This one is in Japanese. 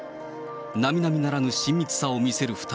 並々ならぬ親密さを見せる２人。